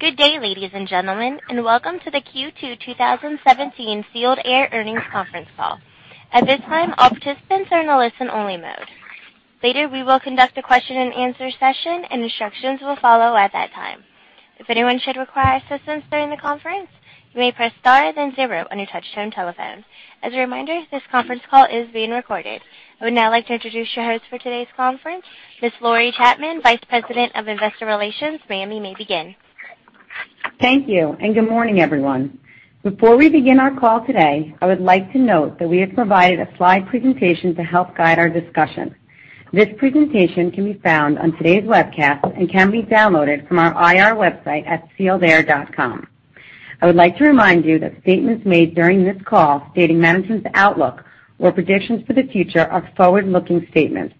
Good day, ladies and gentlemen. Welcome to the Q2 2017 Sealed Air Earnings Conference Call. At this time, all participants are in a listen-only mode. Later, we will conduct a question and answer session, and instructions will follow at that time. If anyone should require assistance during the conference, you may press star then zero on your touchtone telephone. As a reminder, this conference call is being recorded. I would now like to introduce your host for today's conference, Ms. Lori Chapman, Vice President of Investor Relations. Ma'am, you may begin. Thank you, and good morning, everyone. Before we begin our call today, I would like to note that we have provided a slide presentation to help guide our discussion. This presentation can be found on today's webcast and can be downloaded from our IR website at sealedair.com. I would like to remind you that statements made during this call stating management's outlook or predictions for the future are forward-looking statements.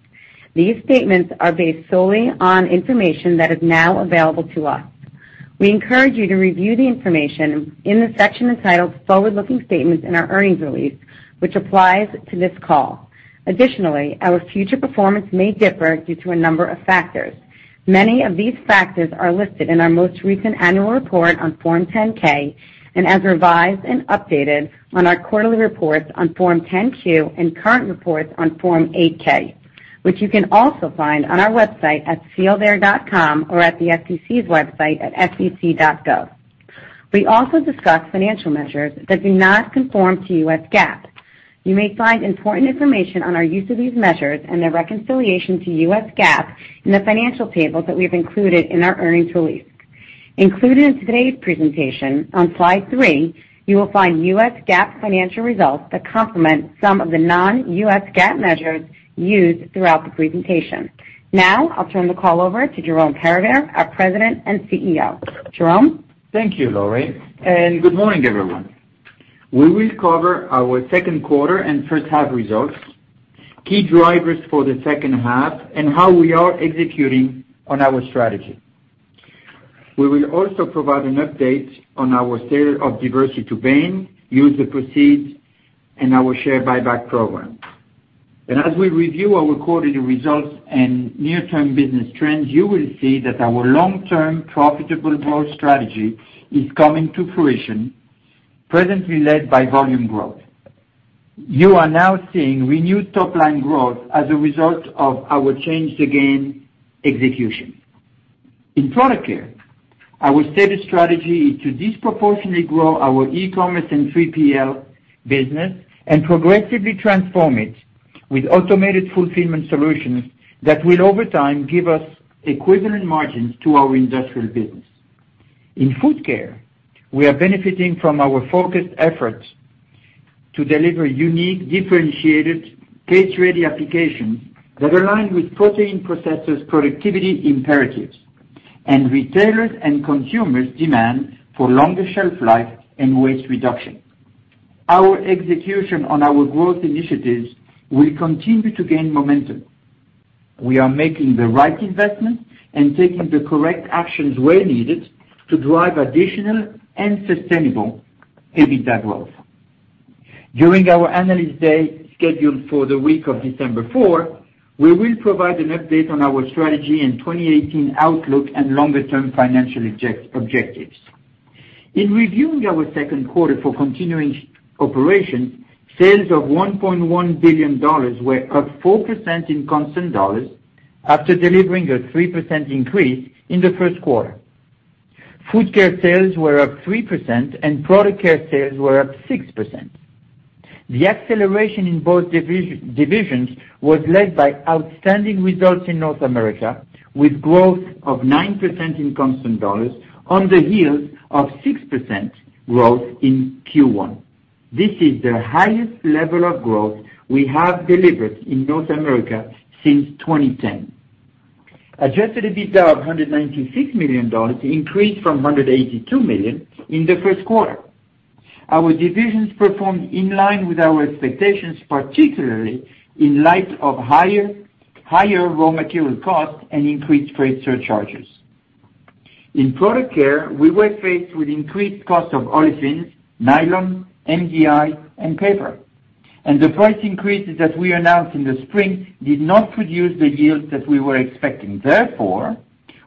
These statements are based solely on information that is now available to us. We encourage you to review the information in the section entitled Forward Looking Statements in our earnings release, which applies to this call. Our future performance may differ due to a number of factors. Many of these factors are listed in our most recent annual report on Form 10-K and as revised and updated on our quarterly reports on Form 10-Q and current reports on Form 8-K, which you can also find on our website at sealedair.com or at the SEC's website at sec.gov. We also discuss financial measures that do not conform to US GAAP. You may find important information on our use of these measures and their reconciliation to US GAAP in the financial tables that we have included in our earnings release. Included in today's presentation, on slide three, you will find US GAAP financial results that complement some of the non-US GAAP measures used throughout the presentation. I'll turn the call over to Jerome Peribere, our President and CEO. Jerome? Thank you, Lori, and good morning, everyone. We will cover our second quarter and first half results, key drivers for the second half, and how we are executing on our strategy. We will also provide an update on our sale of Diversey to Bain, use the proceeds, and our share buyback program. As we review our quarterly results and near-term business trends, you will see that our long-term profitable growth strategy is coming to fruition, presently led by volume growth. You are now seeing renewed top-line growth as a result of our Change the Game execution. In Product Care, our stated strategy is to disproportionately grow our e-commerce and 3PL business and progressively transform it with automated fulfillment solutions that will, over time, give us equivalent margins to our industrial business. In Food Care, we are benefiting from our focused efforts to deliver unique, differentiated, case-ready applications that align with protein processors' productivity imperatives and retailers' and consumers' demand for longer shelf life and waste reduction. Our execution on our growth initiatives will continue to gain momentum. We are making the right investments and taking the correct actions where needed to drive additional and sustainable EBITDA growth. During our Analyst Day, scheduled for the week of December 4, we will provide an update on our strategy and 2018 outlook and longer-term financial objectives. In reviewing our second quarter for continuing operations, sales of $1.1 billion were up 4% in constant dollars after delivering a 3% increase in the first quarter. Food Care sales were up 3%, and Product Care sales were up 6%. The acceleration in both divisions was led by outstanding results in North America, with growth of 9% in constant dollars on the heels of 6% growth in Q1. This is the highest level of growth we have delivered in North America since 2010. Adjusted EBITDA of $196 million increased from $182 million in the first quarter. Our divisions performed in line with our expectations, particularly in light of higher raw material costs and increased freight surcharges. In Product Care, we were faced with increased costs of olefins, nylon, MDI, and paper. The price increases that we announced in the spring did not produce the yields that we were expecting. Therefore,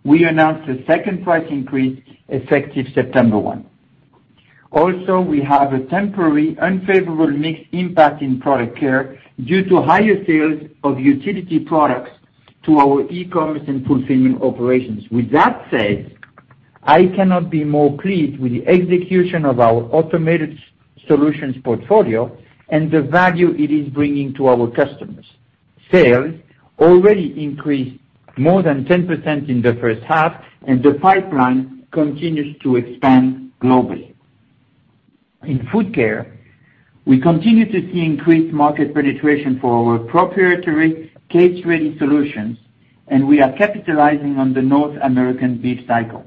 we announced a second price increase effective September 1. Also, we have a temporary unfavorable mix impact in Product Care due to higher sales of utility products to our e-commerce and fulfillment operations. With that said, I cannot be more pleased with the execution of our automated solutions portfolio and the value it is bringing to our customers. Sales already increased more than 10% in the first half, and the pipeline continues to expand globally. In Food Care, we continue to see increased market penetration for our proprietary case-ready solutions, and we are capitalizing on the North American beef cycle.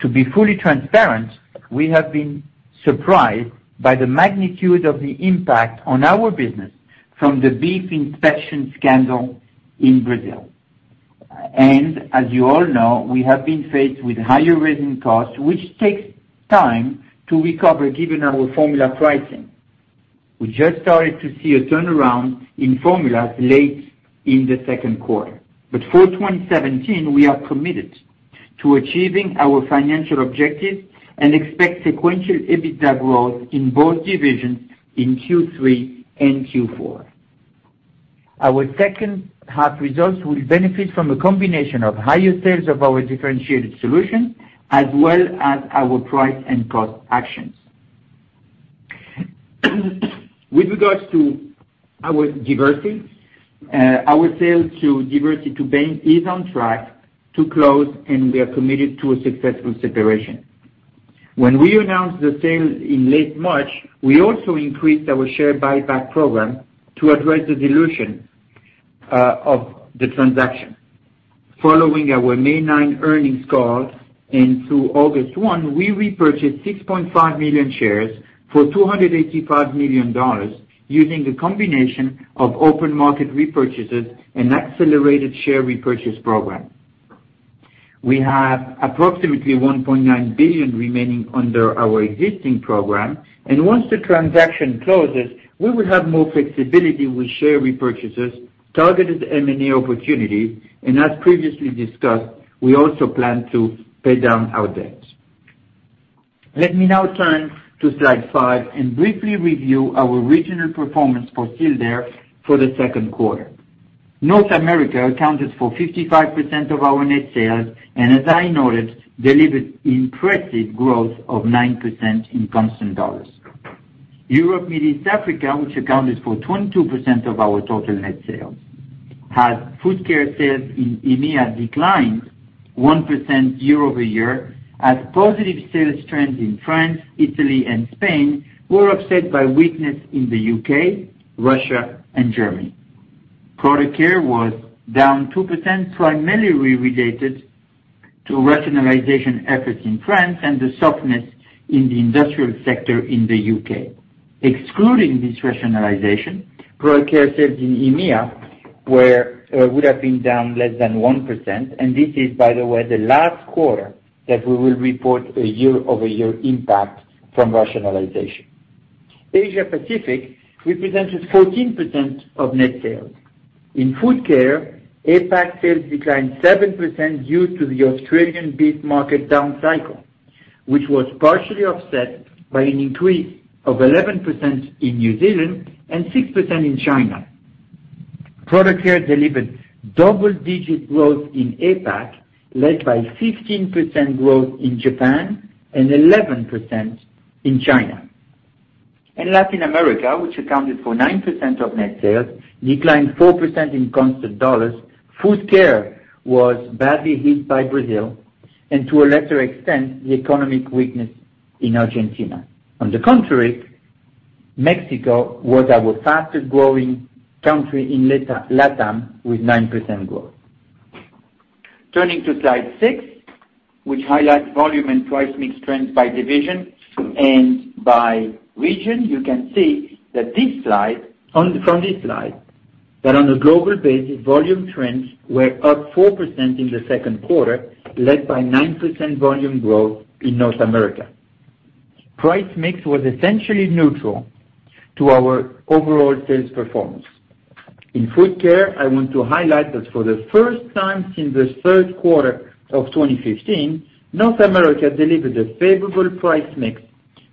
To be fully transparent, we have been surprised by the magnitude of the impact on our business from the beef inspection scandal in Brazil. As you all know, we have been faced with higher resin costs, which takes time to recover given our formula pricing. We just started to see a turnaround in formulas late in the second quarter. For 2017, we are committed to achieving our financial objectives and expect sequential EBITDA growth in both divisions in Q3 and Q4. Our second half results will benefit from a combination of higher sales of our differentiated solutions, as well as our price and cost actions. With regards to our Diversey, our sales to Diversey to Bain is on track to close, and we are committed to a successful separation. When we announced the sale in late March, we also increased our share buyback program to address the dilution of the transaction. Following our May 9 earnings call and through August 1, we repurchased 6.5 million shares for $285 million using a combination of open market repurchases and accelerated share repurchase program. We have approximately $1.9 billion remaining under our existing program, and once the transaction closes, we will have more flexibility with share repurchases, targeted M&A opportunities, and as previously discussed, we also plan to pay down our debt. Let me now turn to slide five and briefly review our regional performance for Sealed Air for the second quarter. North America accounted for 55% of our net sales, and as I noted, delivered impressive growth of 9% in constant dollars. Europe, Middle East, Africa, which accounted for 22% of our total net sales, had Food Care sales in EMEA decline 1% year-over-year as positive sales trends in France, Italy, and Spain were offset by weakness in the U.K., Russia, and Germany. Product Care was down 2%, primarily related to rationalization efforts in France and the softness in the industrial sector in the U.K. Excluding this rationalization, Product Care sales in EMEA would have been down less than 1%, and this is, by the way, the last quarter that we will report a year-over-year impact from rationalization. Asia Pacific represented 14% of net sales. In Food Care, APAC sales declined 7% due to the Australian beef market down cycle, which was partially offset by an increase of 11% in New Zealand and 6% in China. Product Care delivered double-digit growth in APAC, led by 15% growth in Japan and 11% in China. Latin America, which accounted for 9% of net sales, declined 4% in constant dollars. Food Care was badly hit by Brazil and to a lesser extent, the economic weakness in Argentina. On the contrary, Mexico was our fastest-growing country in LATAM with 9% growth. Turning to slide six, which highlights volume and price mix trends by division and by region, you can see from this slide that on a global basis, volume trends were up 4% in the second quarter, led by 9% volume growth in North America. Price mix was essentially neutral to our overall sales performance. In Food Care, I want to highlight that for the first time since the third quarter of 2015, North America delivered a favorable price mix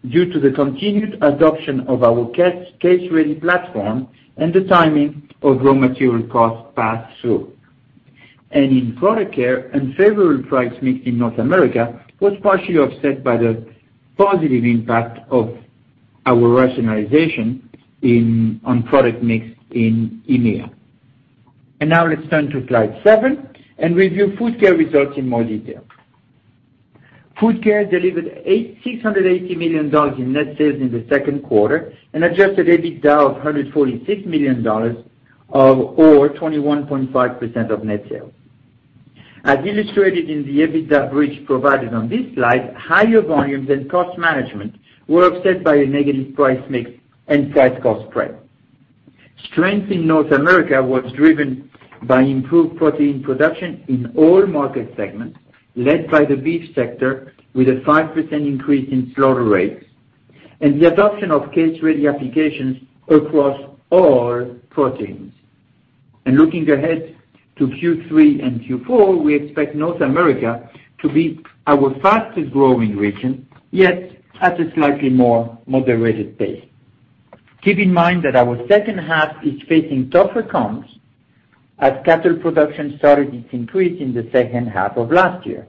due to the continued adoption of our case-ready platform and the timing of raw material cost pass-through. In Product Care, unfavorable price mix in North America was partially offset by the positive impact of our rationalization on product mix in EMEA. Now let's turn to slide seven and review Food Care results in more detail. Food Care delivered $680 million in net sales in the second quarter and adjusted EBITDA of $146 million or 21.5% of net sales. As illustrated in the EBITDA bridge provided on this slide, higher volumes and cost management were offset by a negative price mix and price-cost spread. Strength in North America was driven by improved protein production in all market segments, led by the beef sector with a 5% increase in slaughter rates and the adoption of case-ready applications across all proteins. Looking ahead to Q3 and Q4, we expect North America to be our fastest-growing region, yet at a slightly more moderated pace. Keep in mind that our second half is facing tougher comps as cattle production started its increase in the second half of last year.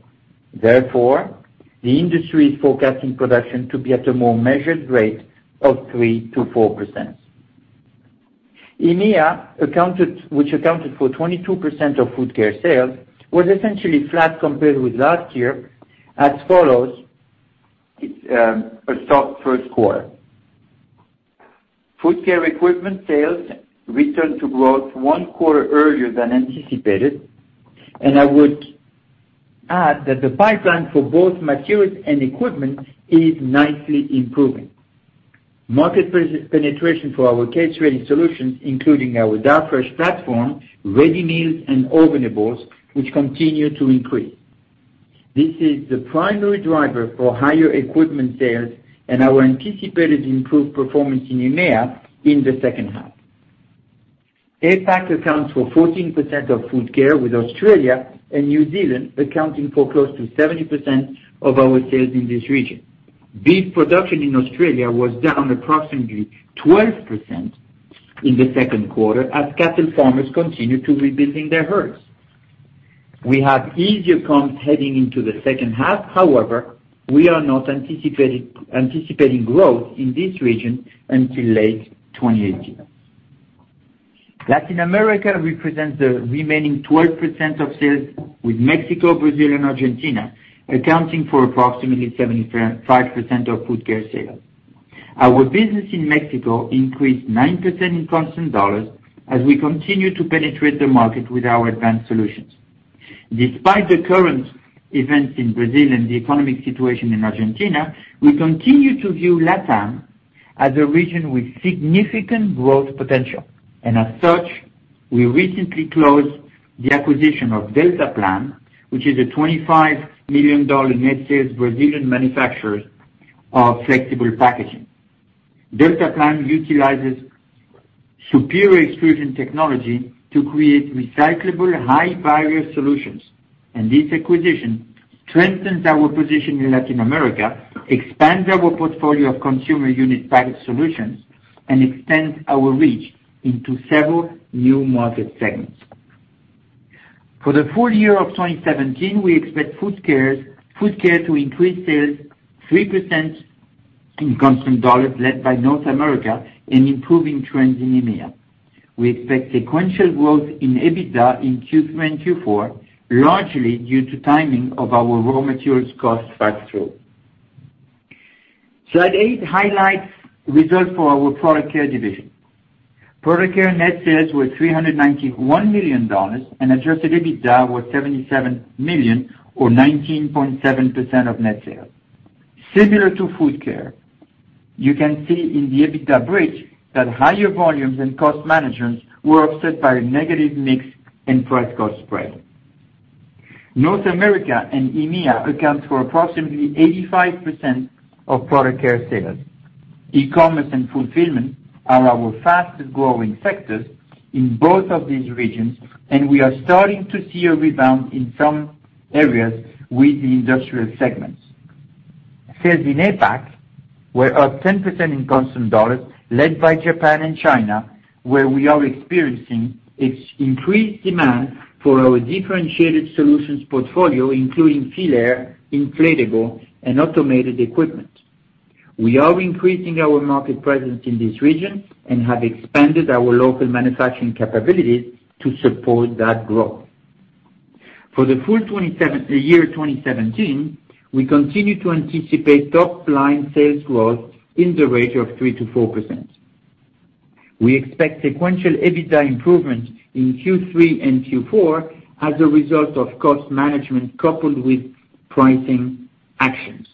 Therefore, the industry is forecasting production to be at a more measured rate of 3%-4%. EMEA, which accounted for 22% of Food Care sales, was essentially flat compared with last year as follows a soft first quarter. Food Care equipment sales returned to growth one quarter earlier than anticipated, and I would add that the pipeline for both materials and equipment is nicely improving. Market penetration for our case-ready solutions, including our Darfresh platform, ready meals, and ovenables, which continue to increase. This is the primary driver for higher equipment sales and our anticipated improved performance in EMEA in the second half. APAC accounts for 14% of Food Care, with Australia and New Zealand accounting for close to 70% of our sales in this region. Beef production in Australia was down approximately 12% in the second quarter as cattle farmers continue to rebuilding their herds. We have easier comps heading into the second half. However, we are not anticipating growth in this region until late 2018. Latin America represents the remaining 12% of sales, with Mexico, Brazil, and Argentina accounting for approximately 75% of Food Care sales. Our business in Mexico increased 9% in constant dollars as we continue to penetrate the market with our advanced solutions. As such, we recently closed the acquisition of Deltaplam, which is a $25 million net sales Brazilian manufacturer of flexible packaging. Deltaplam utilizes superior extrusion technology to create recyclable high-barrier solutions, and this acquisition strengthens our position in Latin America, expands our portfolio of consumer unit package solutions, and extends our reach into several new market segments. For the full year of 2017, we expect Food Care to increase sales 3% in constant dollars, led by North America and improving trends in EMEA. We expect sequential growth in EBITDA in Q3 and Q4, largely due to timing of our raw materials cost pass-through. Slide eight highlights results for our Product Care division. Product Care net sales were $391 million, and adjusted EBITDA was $77 million or 19.7% of net sales. Similar to Food Care, you can see in the EBITDA bridge that higher volumes and cost management were offset by a negative mix and price cost spread. North America and EMEA account for approximately 85% of Product Care sales. e-commerce and fulfillment are our fastest-growing sectors in both of these regions, and we are starting to see a rebound in some areas with the industrial segments. Sales in APAC were up 10% in constant dollars, led by Japan and China, where we are experiencing its increased demand for our differentiated solutions portfolio, including Sealed Air, inflatable, and automated equipment. We are increasing our market presence in this region and have expanded our local manufacturing capabilities to support that growth. For the full year 2017, we continue to anticipate top-line sales growth in the range of 3%-4%. We expect sequential EBITDA improvement in Q3 and Q4 as a result of cost management coupled with pricing actions.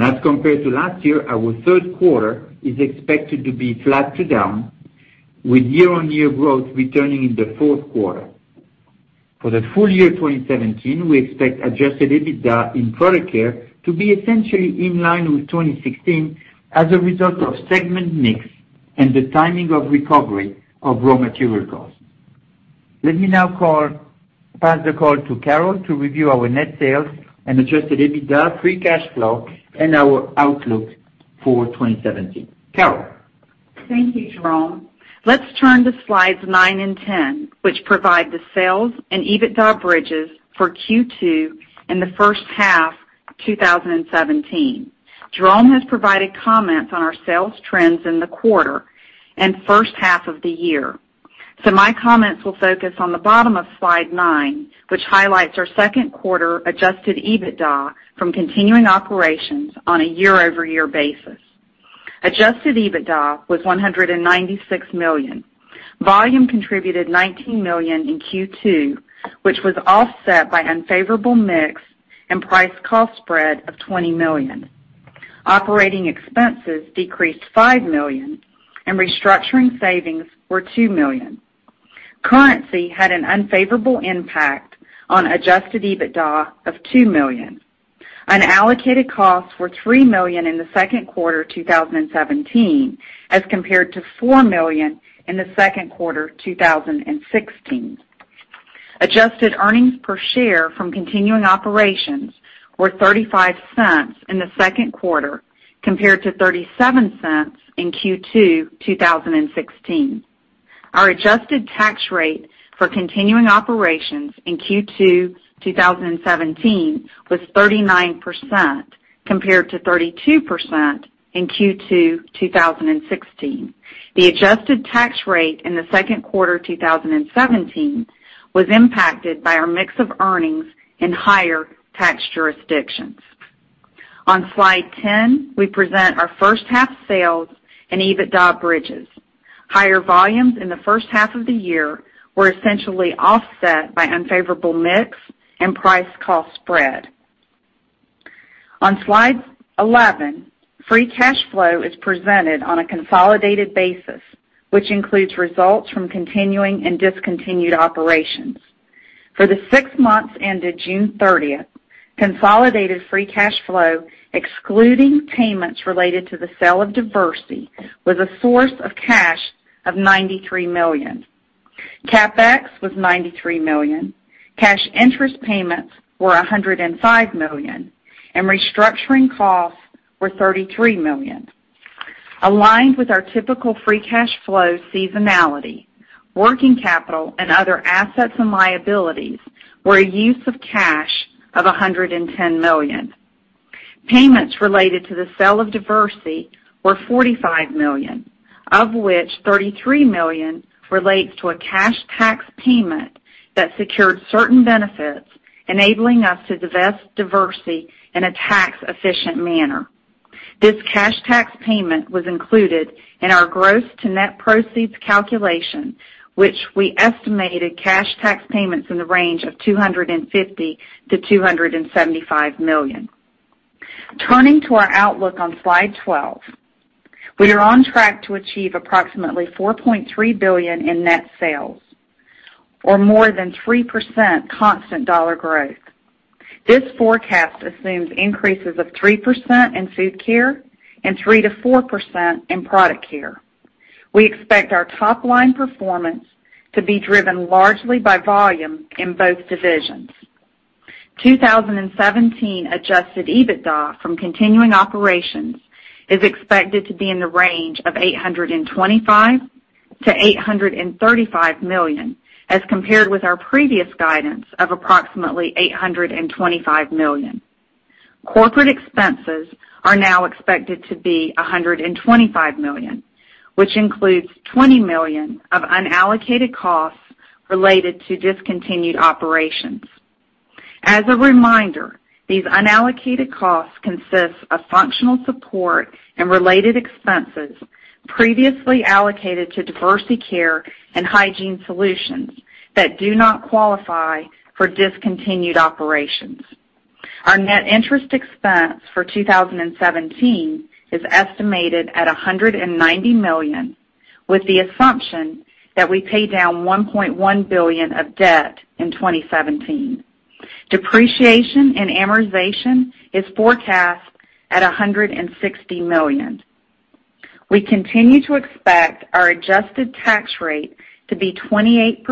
As compared to last year, our third quarter is expected to be flat to down with year-on-year growth returning in the fourth quarter. For the full year 2017, we expect adjusted EBITDA in Product Care to be essentially in line with 2016 as a result of segment mix and the timing of recovery of raw material costs. Let me now pass the call to Carol to review our net sales and adjusted EBITDA, free cash flow, and our outlook for 2017. Carol? Thank you, Jerome. Let's turn to slides nine and 10, which provide the sales and EBITDA bridges for Q2 and the first half 2017. Jerome has provided comments on our sales trends in the quarter and first half of the year. My comments will focus on the bottom of slide nine, which highlights our second quarter adjusted EBITDA from continuing operations on a year-over-year basis. Adjusted EBITDA was $196 million. Volume contributed $19 million in Q2, which was offset by unfavorable mix and price cost spread of $20 million. Operating expenses decreased $5 million, and restructuring savings were $2 million. Currency had an unfavorable impact on adjusted EBITDA of $2 million. Unallocated costs were $3 million in the second quarter 2017 as compared to $4 million in the second quarter 2016. Adjusted earnings per share from continuing operations were $0.35 in the second quarter, compared to $0.37 in Q2 2016. Our adjusted tax rate for continuing operations in Q2 2017 was 39%, compared to 32% in Q2 2016. The adjusted tax rate in the second quarter 2017 was impacted by our mix of earnings in higher tax jurisdictions. On slide 10, we present our first-half sales and EBITDA bridges. Higher volumes in the first half of the year were essentially offset by unfavorable mix and price cost spread. On slide 11, free cash flow is presented on a consolidated basis, which includes results from continuing and discontinued operations. For the six months ended June 30th, consolidated free cash flow, excluding payments related to the sale of Diversey, was a source of cash of $93 million. CapEx was $93 million. Cash interest payments were $105 million, and restructuring costs were $33 million. Aligned with our typical free cash flow seasonality, working capital and other assets and liabilities were a use of cash of $110 million. Payments related to the sale of Diversey were $45 million, of which $33 million relates to a cash tax payment that secured certain benefits, enabling us to divest Diversey in a tax-efficient manner. This cash tax payment was included in our gross to net proceeds calculation, which we estimated cash tax payments in the range of $250 million-$275 million. Turning to our outlook on slide 12. We are on track to achieve approximately $4.3 billion in net sales or more than 3% constant dollar growth. This forecast assumes increases of 3% in Food Care and 3%-4% in Product Care. We expect our top-line performance to be driven largely by volume in both divisions. 2017 adjusted EBITDA from continuing operations is expected to be in the range of $825 million-$835 million, as compared with our previous guidance of approximately $825 million. Corporate expenses are now expected to be $125 million, which includes $20 million of unallocated costs related to discontinued operations. As a reminder, these unallocated costs consist of functional support and related expenses previously allocated to Diversey Care and Hygiene Solutions that do not qualify for discontinued operations. Our net interest expense for 2017 is estimated at $190 million, with the assumption that we pay down $1.1 billion of debt in 2017. Depreciation and amortization is forecast at $160 million. We continue to expect our adjusted tax rate to be 28%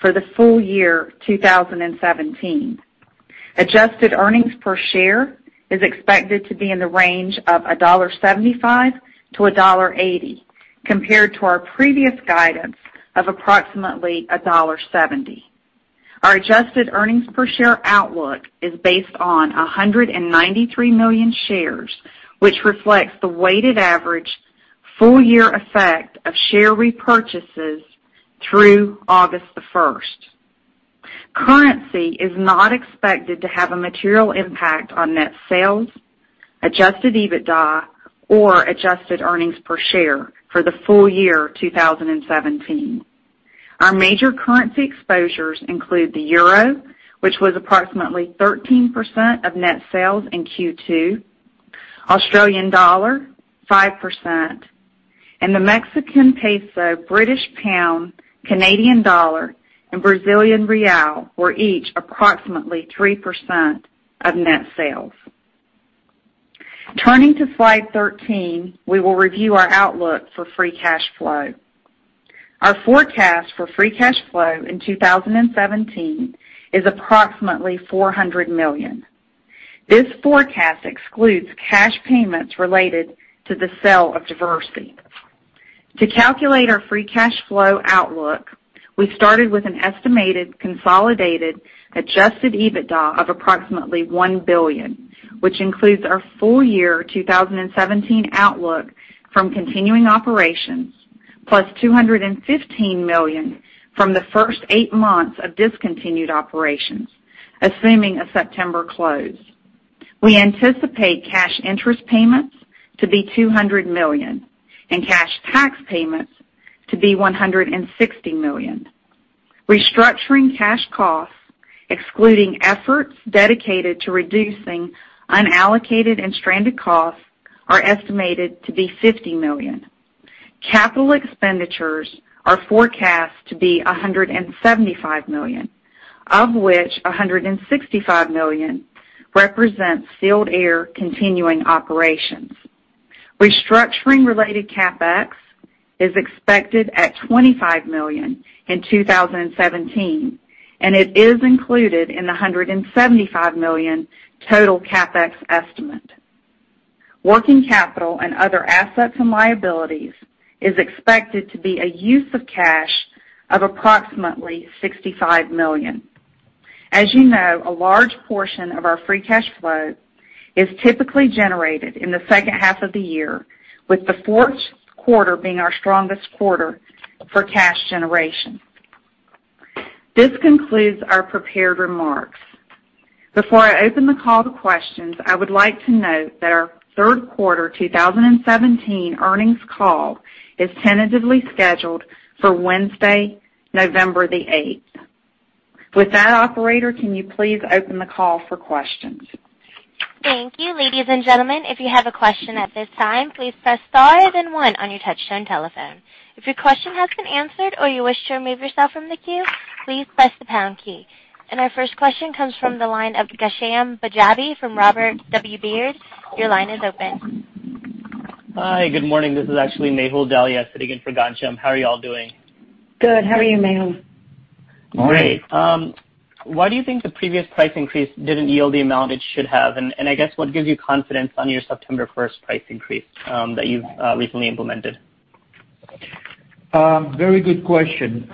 for the full year 2017. Adjusted earnings per share is expected to be in the range of $1.75-$1.80, compared to our previous guidance of approximately $1.70. Our adjusted earnings per share outlook is based on 193 million shares, which reflects the weighted average full-year effect of share repurchases through August 1st. Currency is not expected to have a material impact on net sales, adjusted EBITDA, or adjusted earnings per share for the full year 2017. Our major currency exposures include the EUR, which was approximately 13% of net sales in Q2. AUD 5%, and the MXN, GBP, CAD, and BRL were each approximately 3% of net sales. Turning to slide 13, we will review our outlook for free cash flow. Our forecast for free cash flow in 2017 is approximately $400 million. This forecast excludes cash payments related to the sale of Diversey. To calculate our free cash flow outlook, we started with an estimated consolidated adjusted EBITDA of approximately $1 billion, which includes our full year 2017 outlook from continuing operations, plus $215 million from the first eight months of discontinued operations, assuming a September close. We anticipate cash interest payments to be $200 million and cash tax payments to be $160 million. Restructuring cash costs, excluding efforts dedicated to reducing unallocated and stranded costs, are estimated to be $50 million. Capital expenditures are forecast to be $175 million, of which $165 million represents Sealed Air continuing operations. Restructuring related CapEx is expected at $25 million in 2017, and it is included in the $175 million total CapEx estimate. Working capital and other assets and liabilities is expected to be a use of cash of approximately $65 million. As you know, a large portion of our free cash flow is typically generated in the second half of the year, with the fourth quarter being our strongest quarter for cash generation. This concludes our prepared remarks. Before I open the call to questions, I would like to note that our third quarter 2017 earnings call is tentatively scheduled for Wednesday, November 8th. Operator, can you please open the call for questions? Thank you. Ladies and gentlemen, if you have a question at this time, please press star then one on your touchtone telephone. If your question has been answered or you wish to remove yourself from the queue, please press the pound key. Our first question comes from the line of Ghansham Panjabi from Robert W. Baird. Your line is open. Hi, good morning. This is actually Mehul Dalia sitting in for Ghansham. How are you all doing? Good. How are you, Mehul? Great. Why do you think the previous price increase didn't yield the amount it should have? I guess, what gives you confidence on your September 1st price increase that you've recently implemented? Very good question.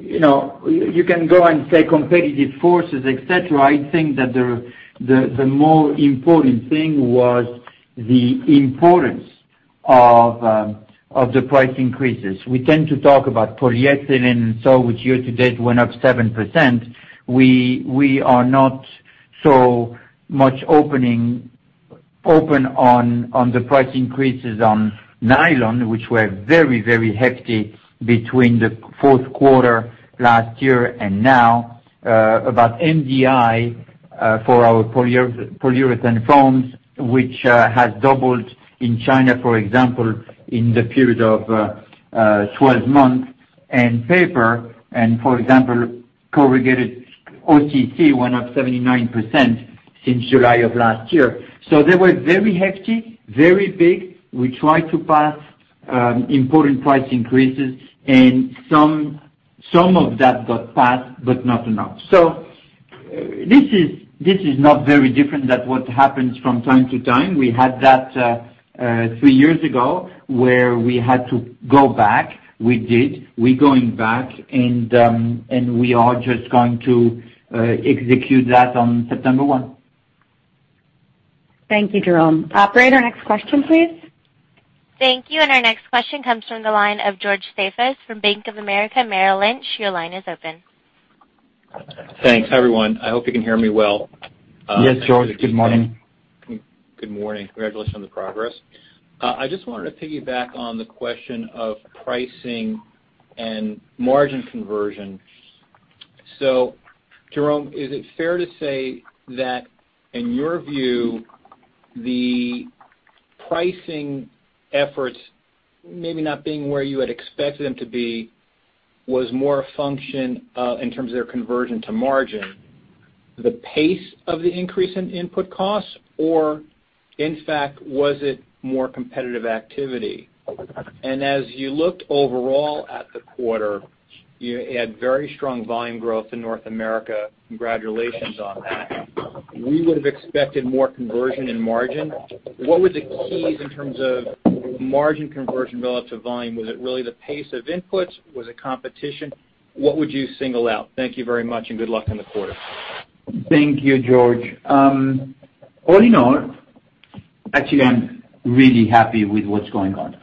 You can go and say competitive forces, et cetera. I think that the more important thing was the importance of the price increases. We tend to talk about polyethylene, which year to date went up 7%. We are not so much open on the price increases on nylon, which were very, very hefty between the fourth quarter last year and now. About MDI for our polyurethane foams, which has doubled in China, for example, in the period of 12 months. Paper and, for example, corrugated OCC, went up 79% since July of last year. They were very hefty, very big. We tried to pass important price increases, and some of that got passed, but not enough. This is not very different than what happens from time to time. We had that three years ago where we had to go back. We did. We're going back, we are just going to execute that on September 1. Thank you, Jerome. Operator, next question please. Thank you. Our next question comes from the line of George Staphos from Bank of America Merrill Lynch. Your line is open. Thanks. Hi, everyone. I hope you can hear me well. Yes, George. Good morning. Good morning. Congratulations on the progress. I just wanted to piggyback on the question of pricing and margin conversion. Jerome, is it fair to say that, in your view, the pricing efforts maybe not being where you had expected them to be was more a function of, in terms of their conversion to margin, the pace of the increase in input costs, or in fact, was it more competitive activity? As you looked overall at the quarter, you had very strong volume growth in North America. Congratulations on that. We would have expected more conversion in margin. What were the keys in terms of margin conversion relative volume? Was it really the pace of inputs? Was it competition? What would you single out? Thank you very much and good luck on the quarter. Thank you, George. All in all, actually, I'm really happy with what's going on.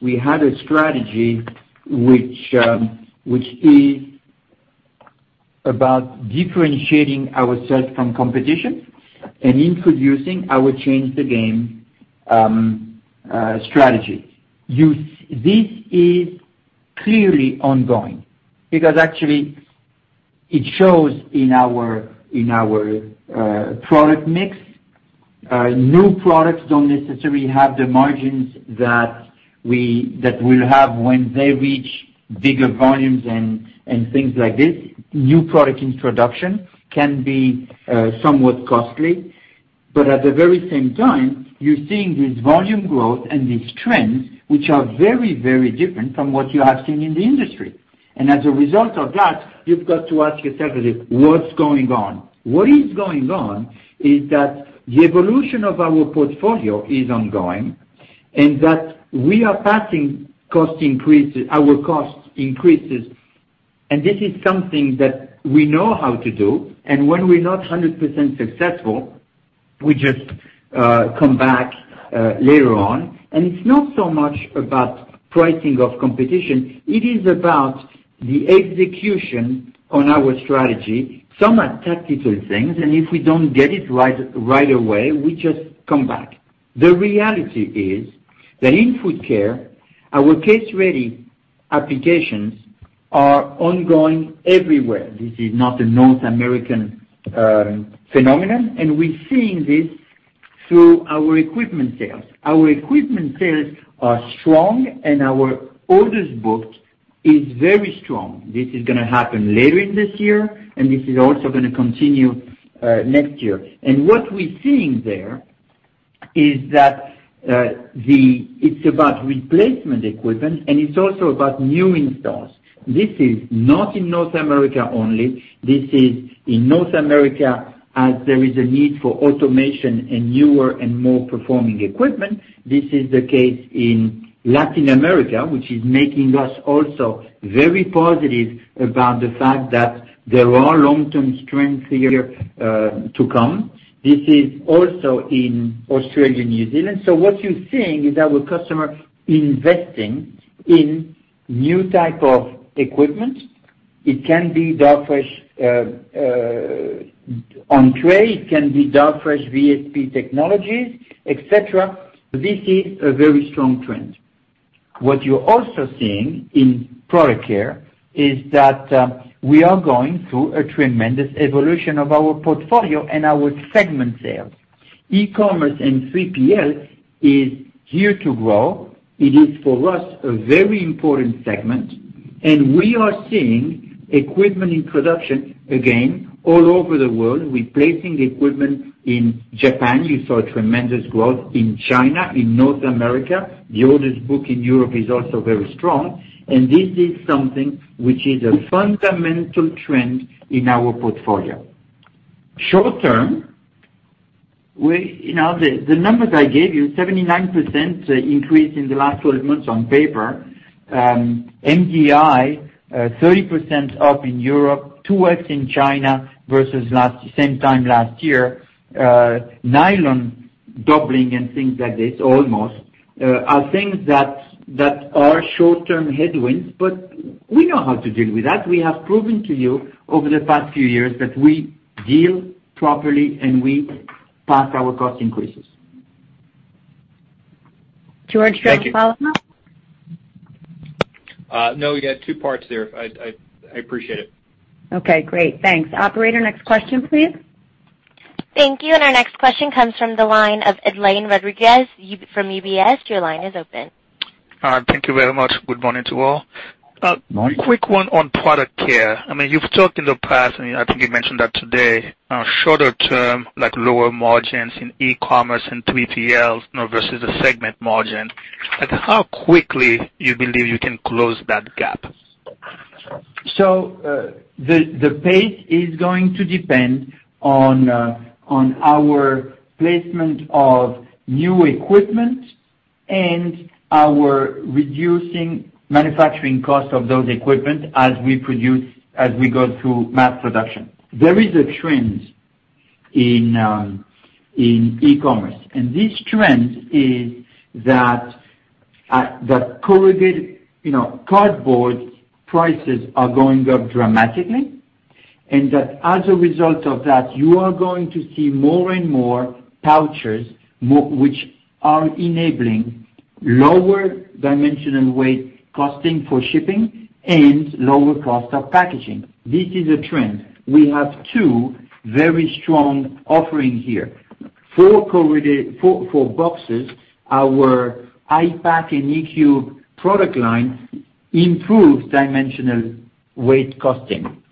We had a strategy which is about differentiating ourselves from competition and introducing our Change the Game strategy. This is clearly ongoing because actually it shows in our product mix. New products don't necessarily have the margins that we'll have when they reach bigger volumes and things like this. New product introduction can be somewhat costly. At the very same time, you're seeing this volume growth and these trends, which are very, very different from what you have seen in the industry. As a result of that, you've got to ask yourself, what's going on? What is going on is that the evolution of our portfolio is ongoing, and that we are passing our cost increases. This is something that we know how to do. When we're not 100% successful, we just come back later on. It's not so much about pricing of competition. It is about the execution on our strategy. Some are tactical things, and if we don't get it right away, we just come back. The reality is that in Food Care, our case-ready applications are ongoing everywhere. This is not a North American phenomenon. We're seeing this through our equipment sales. Our equipment sales are strong. Our orders book is very strong. This is going to happen later in this year. This is also going to continue next year. What we're seeing there is that it's about replacement equipment, and it's also about new installs. This is not in North America only. This is in North America as there is a need for automation and newer and more performing equipment. This is the case in Latin America, which is making us also very positive about the fact that there are long-term strengths here to come. This is also in Australia and New Zealand. What you're seeing is our customer investing in new type of equipment. It can be Darfresh on Tray, it can be Darfresh VSP technologies, et cetera. This is a very strong trend. What you're also seeing in Product Care is that we are going through a tremendous evolution of our portfolio and our segment sales. E-commerce and 3PL is here to grow. It is, for us, a very important segment, and we are seeing equipment in production, again, all over the world, replacing equipment in Japan. You saw tremendous growth in China, in North America. The orders book in Europe is also very strong, and this is something which is a fundamental trend in our portfolio. Short term, the numbers I gave you, 79% increase in the last 12 months on paper. MDI, 30% up in Europe, 2x in China versus same time last year. Nylon doubling and things like this, almost, are things that are short-term headwinds. We know how to deal with that. We have proven to you over the past few years that we deal properly, and we pass our cost increases. George, do you have a follow-up? Thank you. No, you had 2 parts there. I appreciate it. Okay, great. Thanks. Operator, next question, please. Thank you. Our next question comes from the line of Edlain Rodriguez from UBS. Your line is open. Thank you very much. Good morning to all. Morning. A quick one on Product Care. You've talked in the past, and I think you mentioned that today, shorter term, like lower margins in e-commerce and 3PL versus the segment margin. How quickly you believe you can close that gap? The pace is going to depend on our placement of new equipment and our reducing manufacturing cost of those equipment as we go through mass production. There is a trend in e-commerce, and this trend is that corrugated cardboard prices are going up dramatically, and that as a result of that, you are going to see more and more pouches, which are enabling lower dimension and weight costing for shipping and lower cost of packaging. This is a trend. We have two very strong offering here. For boxes, our I-Pack and e-Cube product lines improve dimensional weight costing.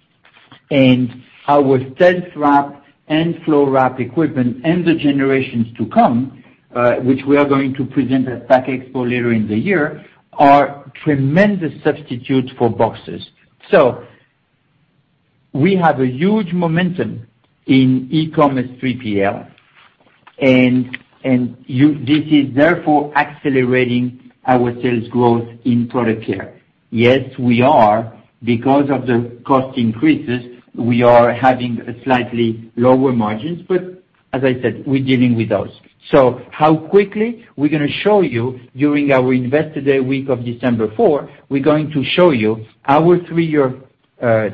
Our tent wrap and FloWrap equipment, and the generations to come, which we are going to present at PACK EXPO later in the year, are tremendous substitutes for boxes. We have a huge momentum in e-commerce 3PL, and this is therefore accelerating our sales growth in Product Care. Because of the cost increases, we are having slightly lower margins, as I said, we're dealing with those. How quickly? We're going to show you during our Investor Day week of December 4. We're going to show you our three-year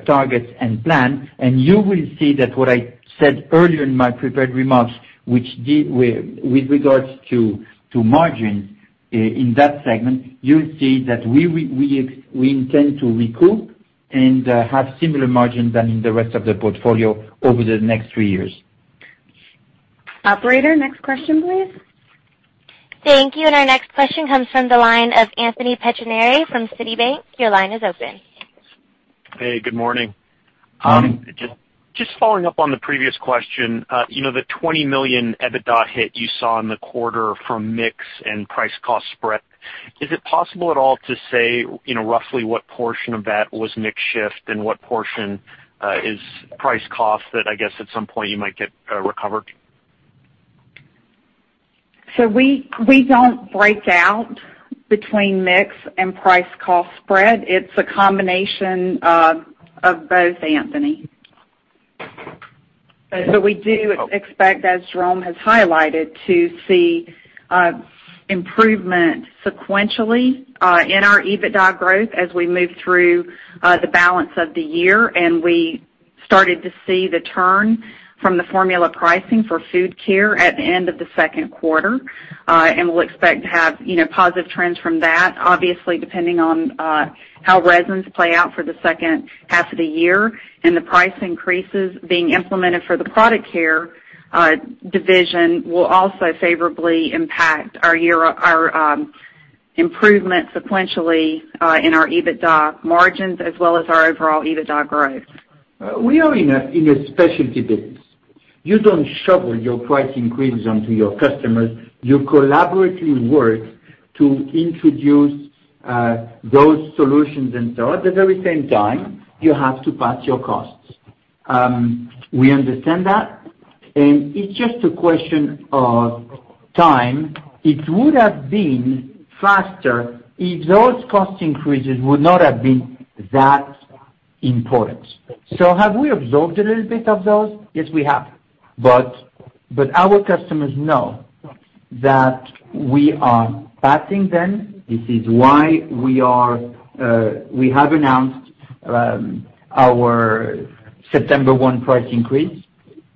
targets and plan, and you will see that what I said earlier in my prepared remarks, with regards to margins in that segment, you'll see that we intend to recoup and have similar margins than in the rest of the portfolio over the next three years. Operator, next question, please. Thank you. Our next question comes from the line of Anthony Pettinari from Citigroup. Your line is open. Hey, good morning. Just following up on the previous question. The $20 million EBITDA hit you saw in the quarter from mix and price-cost spread. Is it possible at all to say roughly what portion of that was mix shift and what portion is price-cost that, I guess, at some point you might get recovered? We don't break out between mix and price-cost spread. It's a combination of both, Anthony. We do expect, as Jerome has highlighted, to see improvement sequentially in our EBITDA growth as we move through the balance of the year. We started to see the turn from the formula pricing for Food Care at the end of the second quarter. We'll expect to have positive trends from that, obviously, depending on how resins play out for the second half of the year. The price increases being implemented for the Product Care division will also favorably impact our improvement sequentially in our EBITDA margins as well as our overall EBITDA growth. We are in a specialty business. You don't shovel your price increases onto your customers. You collaboratively work to introduce those solutions and so on. At the very same time, you have to pass your costs. We understand that, it's just a question of time. It would have been faster if those cost increases would not have been that important. Have we absorbed a little bit of those? Yes, we have. Our customers know that we are passing them. This is why we have announced our September 1 price increase.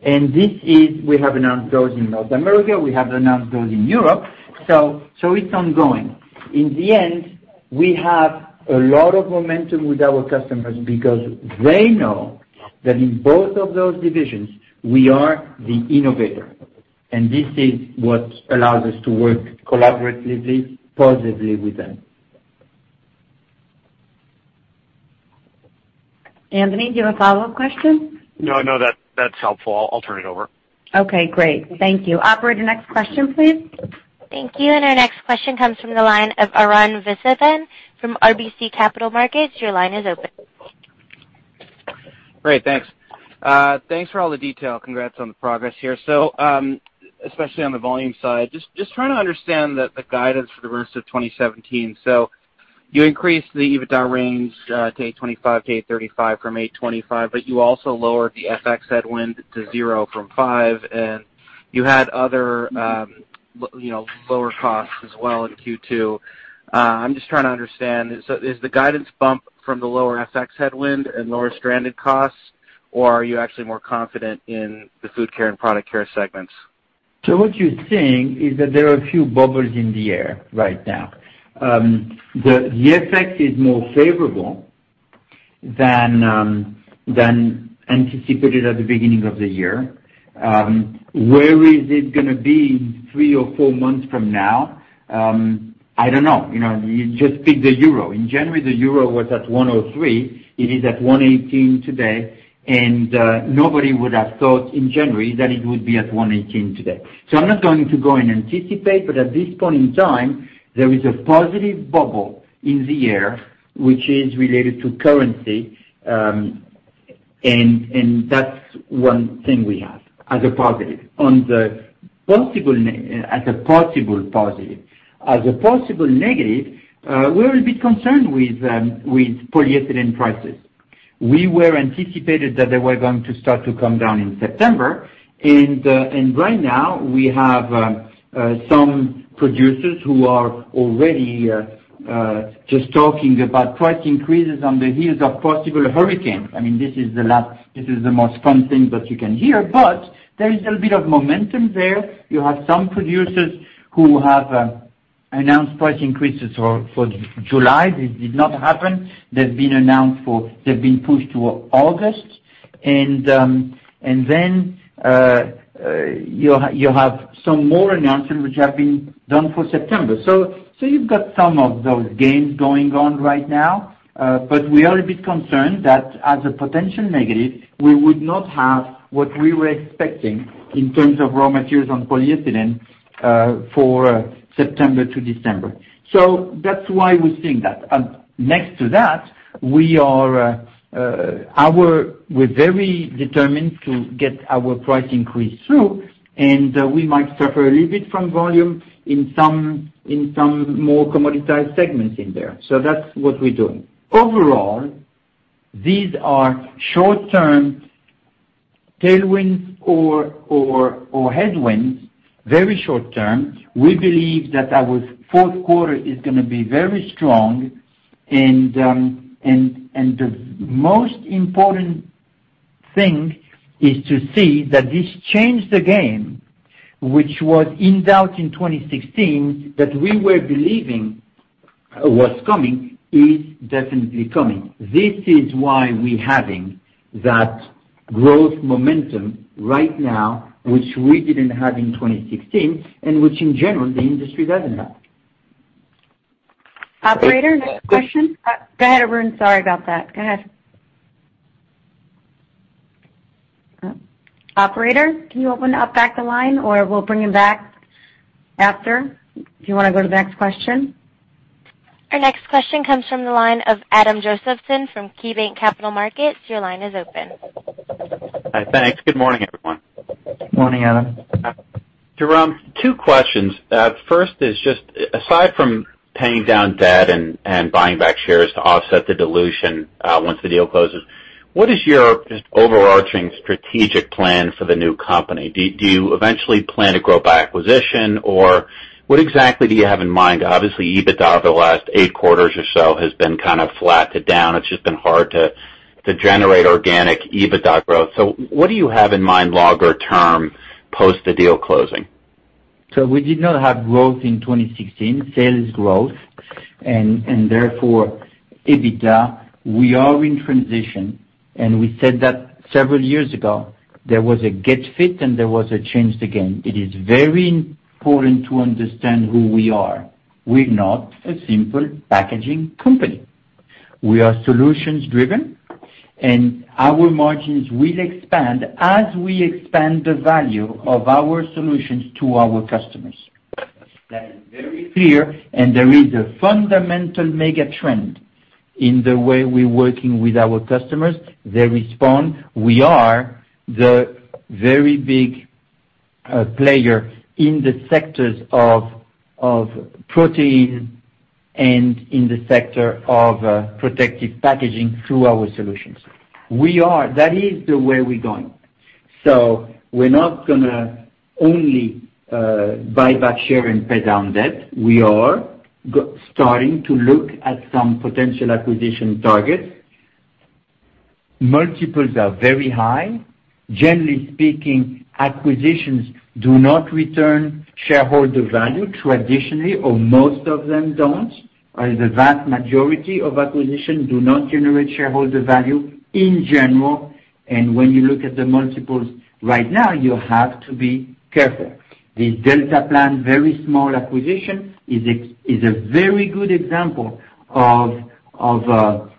We have announced those in North America, we have announced those in Europe, so it's ongoing. In the end, we have a lot of momentum with our customers because they know that in both of those divisions, we are the innovator. This is what allows us to work collaboratively, positively with them. Anthony, do you have a follow-up question? No. That's helpful. I'll turn it over. Okay, great. Thank you. Operator, next question, please. Thank you. Our next question comes from the line of Arun Viswanathan from RBC Capital Markets. Your line is open. Great. Thanks. Thanks for all the detail. Congrats on the progress here. Especially on the volume side, just trying to understand the guidance for the rest of 2017. You increased the EBITDA range to $825 million, to $835 million from $825 million, but you also lowered the FX headwind to $0 from $5 million, and you had other lower costs as well in Q2. I'm just trying to understand. Is the guidance bump from the lower FX headwind and lower stranded costs, or are you actually more confident in the Food Care and Product Care segments? What you're saying is that there are a few bubbles in the air right now. The effect is more favorable than anticipated at the beginning of the year. Where is it going to be three or four months from now? I don't know. You just pick the euro. In January, the euro was at 103. It is at 118 today. Nobody would have thought in January that it would be at 118 today. I'm not going to go and anticipate, but at this point in time, there is a positive bubble in the air, which is related to currency. That's one thing we have as a positive. As a possible positive. As a possible negative, we're a bit concerned with polyethylene prices. We anticipated that they were going to start to come down in September. Right now, we have some producers who are already talking about price increases on the heels of possible hurricanes. This is the most fun thing that you can hear. There is a little bit of momentum there. You have some producers who have announced price increases for July. This did not happen. They've been pushed to August. You have some more announcements which have been done for September. You've got some of those gains going on right now. We are a bit concerned that as a potential negative, we would not have what we were expecting in terms of raw materials on polyethylene, for September to December. That's why we're seeing that. Next to that, we're very determined to get our price increase through. We might suffer a little bit from volume in some more commoditized segments in there. That's what we're doing. Overall, these are short-term tailwinds or headwinds, very short term. We believe that our fourth quarter is going to be very strong. The most important thing is to see that this Change the Game, which was in doubt in 2016, that we were believing was coming, is definitely coming. This is why we're having that growth momentum right now, which we didn't have in 2016, and which, in general, the industry doesn't have. Operator, next question. Go ahead, Arun. Sorry about that. Go ahead. Operator, can you open up back the line? We'll bring him back after if you want to go to the next question. Our next question comes from the line of Adam Josephson from KeyBanc Capital Markets. Your line is open. Hi, thanks. Good morning, everyone. Morning, Adam. Jerome, two questions. First is just, aside from paying down debt and buying back shares to offset the dilution once the deal closes, what is your just overarching strategic plan for the new company? Do you eventually plan to grow by acquisition, or what exactly do you have in mind? Obviously, EBITDA the last eight quarters or so has been flat to down. It's just been hard to generate organic EBITDA growth. What do you have in mind longer term post the deal closing? We did not have growth in 2016, sales growth, and therefore EBITDA. We are in transition, and we said that several years ago. There was a get fit and there was a Change the Game. It is very important to understand who we are. We're not a simple packaging company. We are solutions driven, and our margins will expand as we expand the value of our solutions to our customers. That is very clear, and there is a fundamental mega trend in the way we're working with our customers. They respond. We are the very big player in the sectors of protein And in the sector of protective packaging through our solutions. That is the way we're going. We're not going to only buy back share and pay down debt. We are starting to look at some potential acquisition targets. Multiples are very high. Generally speaking, acquisitions do not return shareholder value traditionally, or most of them don't. The vast majority of acquisition do not generate shareholder value in general. When you look at the multiples right now, you have to be careful. The Deltaplam, very small acquisition, is a very good example of a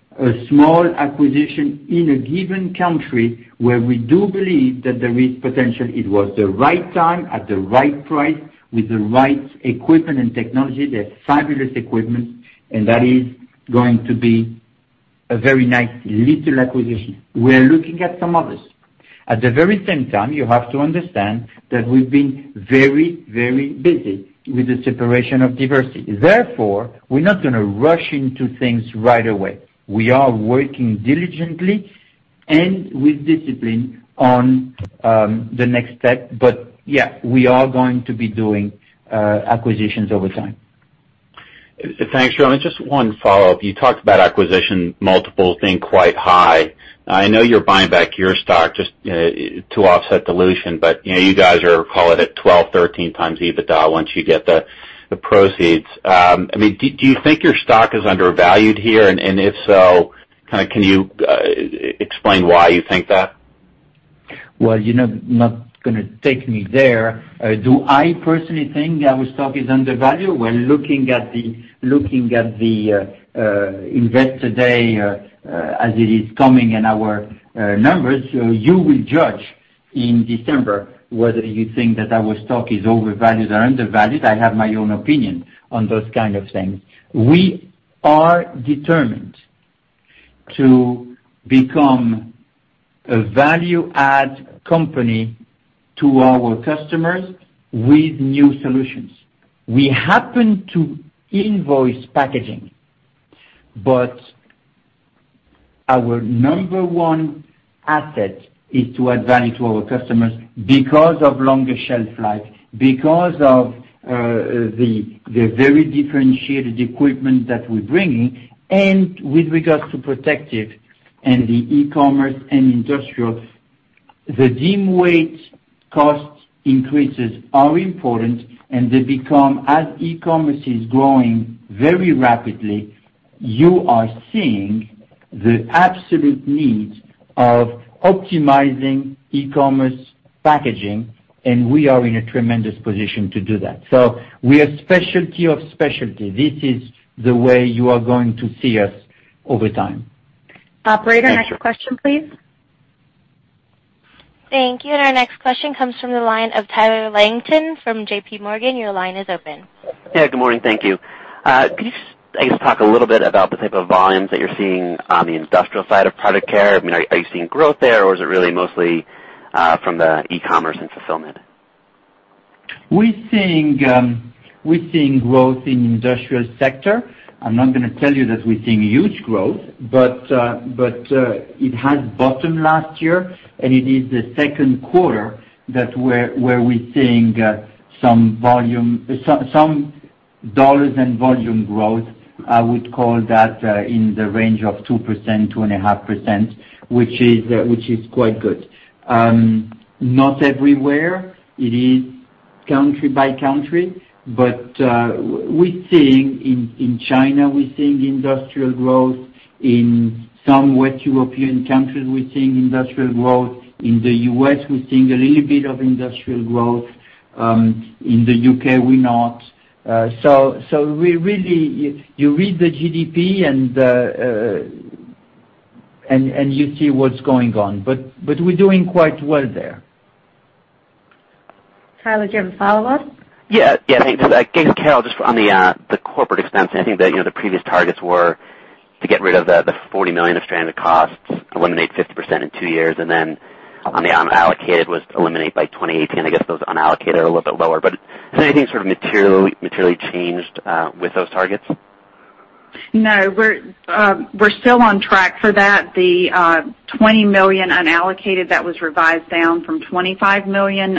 small acquisition in a given country where we do believe that there is potential. It was the right time, at the right price, with the right equipment and technology. They have fabulous equipment, and that is going to be a very nice little acquisition. We are looking at some others. At the very same time, you have to understand that we've been very busy with the separation of Diversey. We're not going to rush into things right away. We are working diligently and with discipline on the next step. Yeah, we are going to be doing acquisitions over time. Thanks, Alain. Just one follow-up. You talked about acquisition multiples being quite high. I know you're buying back your stock just to offset dilution, but you guys are calling it 12x, 13x EBITDA once you get the proceeds. Do you think your stock is undervalued here? If so, can you explain why you think that? Well, you're not going to take me there. Do I personally think our stock is undervalued? When looking at the Investor Day as it is coming and our numbers, you will judge in December whether you think that our stock is overvalued or undervalued. I have my own opinion on those kind of things. We are determined to become a value-add company to our customers with new solutions. We happen to invoice packaging, but our number one asset is to add value to our customers because of longer shelf life, because of the very differentiated equipment that we're bringing, and with regards to protective and the e-commerce and industrial, the DIM weight cost increases are important, and they become, as e-commerce is growing very rapidly, you are seeing the absolute need of optimizing e-commerce packaging, and we are in a tremendous position to do that. We are specialty of specialty. This is the way you are going to see us over time. Operator, next question, please. Thank you. Our next question comes from the line of Tyler Langton from JPMorgan. Your line is open. Good morning. Thank you. Could you just, I guess, talk a little bit about the type of volumes that you're seeing on the industrial side of Product Care? Are you seeing growth there, or is it really mostly from the e-commerce and fulfillment? We're seeing growth in industrial sector. I'm not going to tell you that we're seeing huge growth, but it has bottomed last year, and it is the second quarter that where we're seeing some dollars and volume growth. I would call that in the range of 2%-2.5%, which is quite good. Not everywhere. It is country by country. We're seeing in China, we're seeing industrial growth. In some West European countries, we're seeing industrial growth. In the U.S., we're seeing a little bit of industrial growth. In the U.K., we're not. You read the GDP and you see what's going on. We're doing quite well there. Tyler, do you have a follow-up? Thanks. I guess, Carol, just on the corporate expense, I think that the previous targets were to get rid of the $40 million of stranded costs, eliminate 50% in two years, and then on the unallocated was eliminate by 2018. I guess those unallocated are a little bit lower. Has anything sort of materially changed with those targets? No. We're still on track for that. The $20 million unallocated that was revised down from $25 million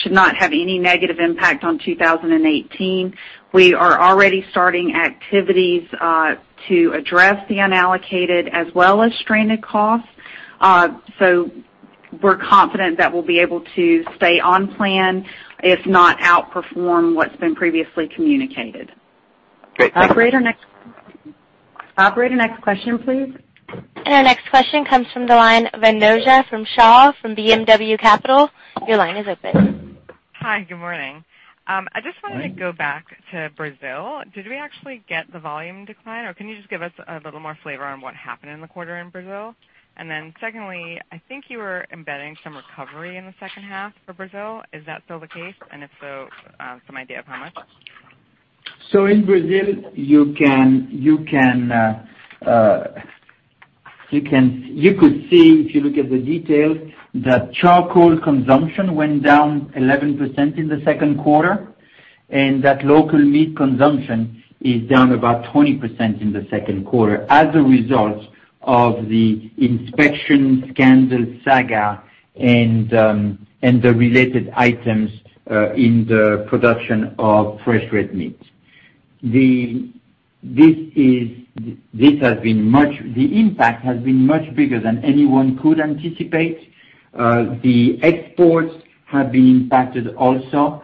should not have any negative impact on 2018. We are already starting activities to address the unallocated as well as stranded costs. We're confident that we'll be able to stay on plan, if not outperform what's been previously communicated. Great. Thank you. Operator, next question, please. Our next question comes from the line of Anojja Shah from BMO Capital. Your line is open. Hi. Good morning. Hi. I just wanted to go back to Brazil. Did we actually get the volume decline, or can you just give us a little more flavor on what happened in the quarter in Brazil? Then secondly, I think you were embedding some recovery in the second half for Brazil. Is that still the case? And if so, some idea of how much? In Brazil, you could see if you look at the details, that charcoal consumption went down 11% in the second quarter, and that local meat consumption is down about 20% in the second quarter as a result of the inspection scandal saga and the related items in the production of fresh red meat. The impact has been much bigger than anyone could anticipate. The exports have been impacted also.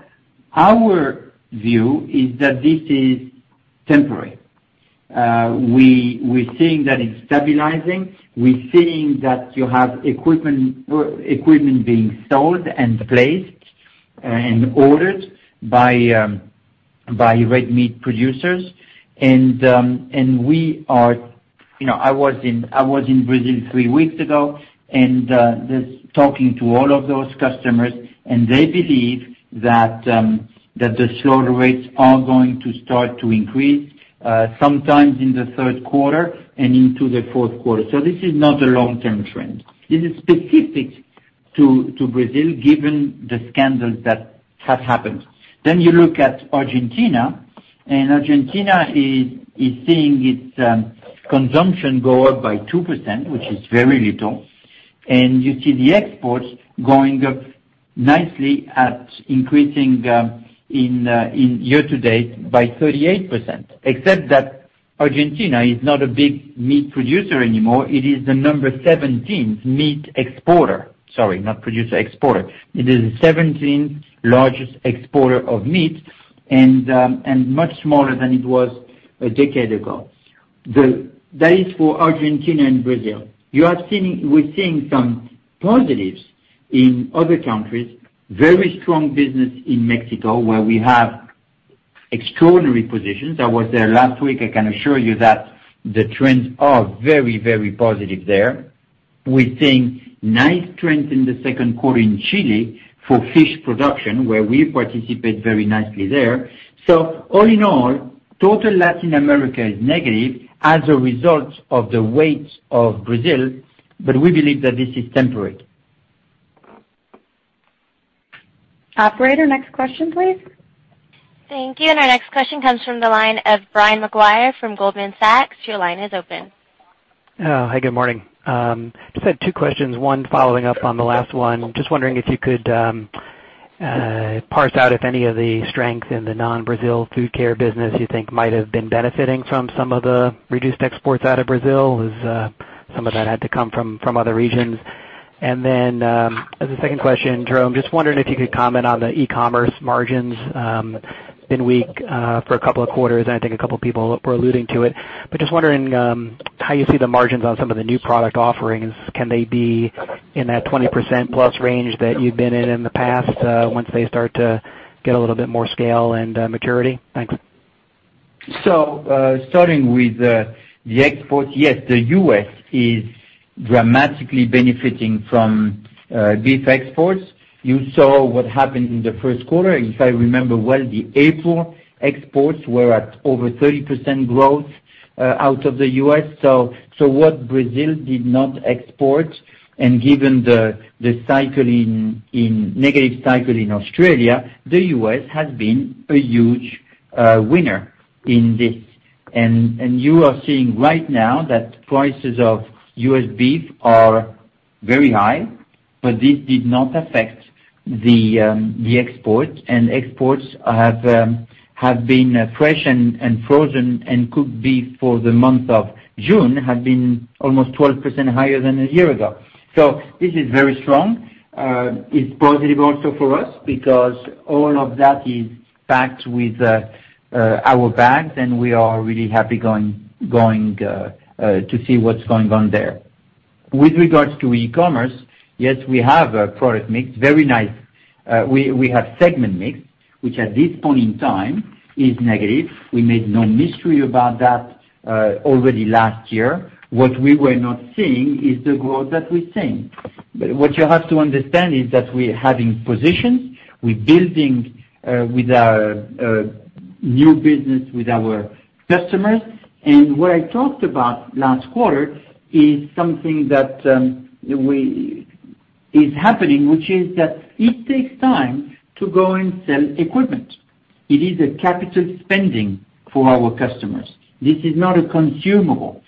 Our view is that this is temporary. We're seeing that it's stabilizing. We're seeing that you have equipment being sold and placed and ordered by red meat producers. I was in Brazil three weeks ago and just talking to all of those customers, and they believe that the slaughter rates are going to start to increase sometime in the third quarter and into the fourth quarter. This is not a long-term trend. This is specific to Brazil, given the scandal that has happened. You look at Argentina is seeing its consumption go up by 2%, which is very little. You see the exports going up nicely at increasing in year-to-date by 38%. Argentina is not a big meat producer anymore. It is the number 17 meat exporter. Sorry, not producer, exporter. It is the 17th largest exporter of meat and much smaller than it was a decade ago. That is for Argentina and Brazil. We're seeing some positives in other countries, very strong business in Mexico, where we have extraordinary positions. I was there last week. I can assure you that the trends are very positive there. We're seeing nice trends in the second quarter in Chile for fish production, where we participate very nicely there. All in all, total Latin America is negative as a result of the weight of Brazil, but we believe that this is temporary. Operator, next question, please. Thank you. Our next question comes from the line of Brian Maguire from Goldman Sachs. Your line is open. Hi, good morning. Just had two questions, one following up on the last one. Just wondering if you could parse out if any of the strength in the non-Brazil Food Care business you think might have been benefiting from some of the reduced exports out of Brazil, as some of that had to come from other regions. As a second question, Jerome, just wondering if you could comment on the e-commerce margins. Been weak for a couple of quarters, and I think a couple of people were alluding to it. Just wondering how you see the margins on some of the new product offerings. Can they be in that 20% plus range that you've been in in the past once they start to get a little bit more scale and maturity? Thanks. Starting with the exports, yes, the U.S. is dramatically benefiting from beef exports. You saw what happened in the first quarter. If I remember well, the April exports were at over 30% growth out of the U.S. What Brazil did not export, and given the negative cycle in Australia, the U.S. has been a huge winner in this. You are seeing right now that prices of U.S. beef are very high, but this did not affect the exports, and exports have been fresh and frozen and could be for the month of June, have been almost 12% higher than a year ago. This is very strong. It's positive also for us because all of that is packed with our bags, and we are really happy to see what's going on there. With regards to e-commerce, yes, we have a product mix, very nice. We have segment mix, which at this point in time is negative. We made no mystery about that already last year. What we were not seeing is the growth that we're seeing. What you have to understand is that we're having positions. We're building new business with our customers. What I talked about last quarter is something that is happening, which is that it takes time to go and sell equipment. It is a capital spending for our customers. This is not a consumable.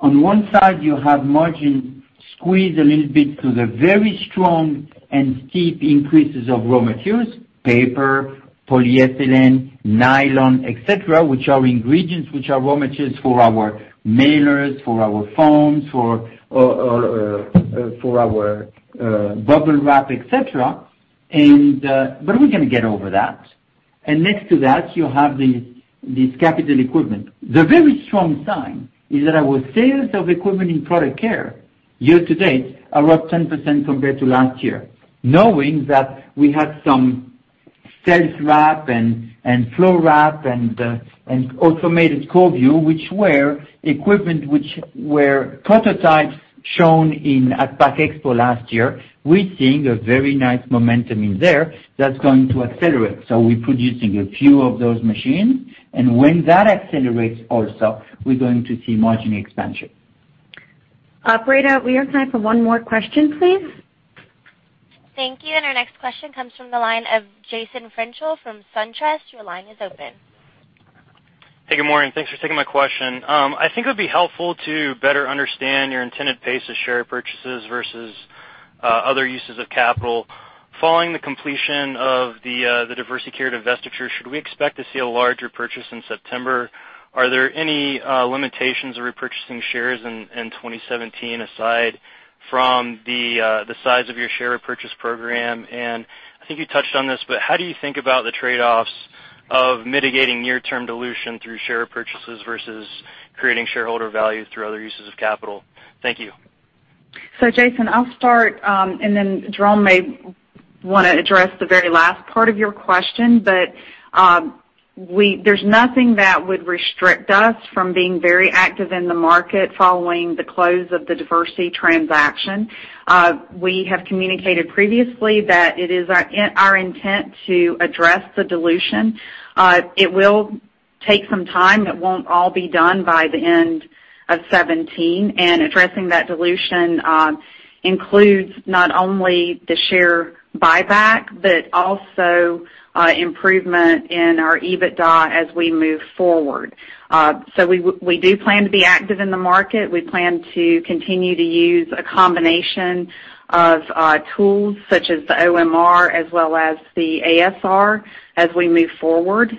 On one side, you have margin squeezed a little bit to the very strong and steep increases of raw materials, paper, polyethylene, nylon, et cetera, which are ingredients, which are raw materials for our mailers, for our foams, for our Bubble Wrap, et cetera. We're going to get over that. Next to that, you have this capital equipment. The very strong sign is that our sales of equipment in Product Care year to date are up 10% compared to last year. Knowing that we had some Cell-Aire and FloWrap and automated Korrvu, which were equipment which were prototypes shown in at PACK EXPO last year, we're seeing a very nice momentum in there that's going to accelerate. We're producing a few of those machines, and when that accelerates also, we're going to see margin expansion. Operator, we have time for one more question, please. Thank you. Our next question comes from the line of Jason Freuchtel from SunTrust. Your line is open. Hey, good morning. Thanks for taking my question. I think it would be helpful to better understand your intended pace of share purchases versus other uses of capital. Following the completion of the Diversey divestiture, should we expect to see a larger purchase in September? Are there any limitations repurchasing shares in 2017 aside from the size of your share purchase program? I think you touched on this, but how do you think about the trade-offs of mitigating near-term dilution through share purchases versus creating shareholder value through other uses of capital? Thank you. Jason, I'll start, and then Jerome may want to address the very last part of your question, but there's nothing that would restrict us from being very active in the market following the close of the Diversey transaction. We have communicated previously that it is our intent to address the dilution. It will take some time. It won't all be done by the end of 2017. Addressing that dilution includes not only the share buyback but also improvement in our EBITDA as we move forward. We do plan to be active in the market. We plan to continue to use a combination of tools such as the OMR as well as the ASR as we move forward.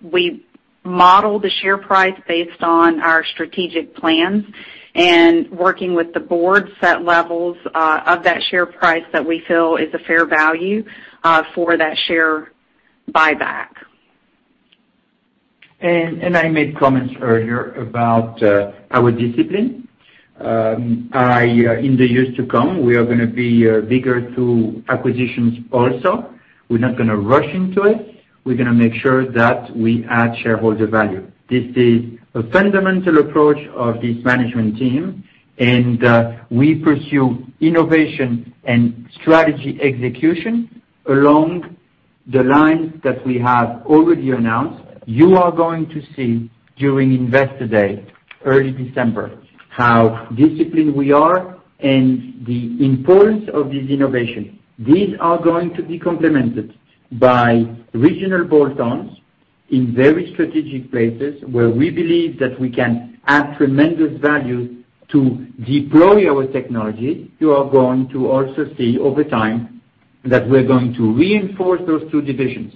We model the share price based on our strategic plans and working with the board set levels of that share price that we feel is a fair value for that share buyback. I made comments earlier about our discipline. In the years to come, we are going to be bigger through acquisitions also. We're not going to rush into it. We're going to make sure that we add shareholder value. This is a fundamental approach of this management team, and we pursue innovation and strategy execution along the lines that we have already announced. You are going to see during Investor Day, early December, how disciplined we are and the importance of this innovation. These are going to be complemented by regional bolt-ons in very strategic places where we believe that we can add tremendous value to deploy our technology. You are going to also see over time that we're going to reinforce those two divisions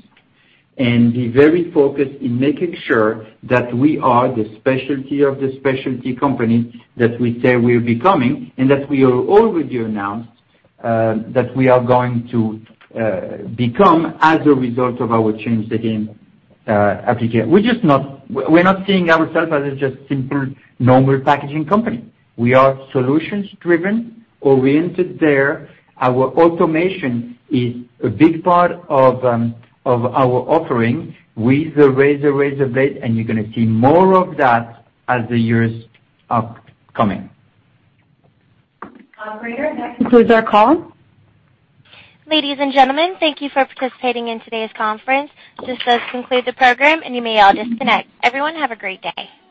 and be very focused in making sure that we are the specialty of the specialty company that we say we're becoming, and that we have already announced that we are going to become as a result of our Change the Game application. We're not seeing ourselves as a just simple, normal packaging company. We are solutions driven, oriented there. Our automation is a big part of our offering with the razor/razor blade. You're going to see more of that as the years upcoming. Operator, that concludes our call. Ladies and gentlemen, thank you for participating in today's conference. This does conclude the program, and you may all disconnect. Everyone, have a great day.